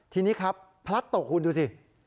ทีนี้ครับพลัดตกคุณดูสิ